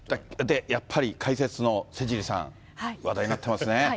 やっぱり解説の瀬尻さん、話題になってますね。